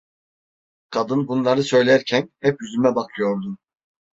Kadın bunları söylerken, hep yüzüme bakıyordu.